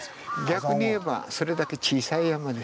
逆に言えばそれだけ小さい山です。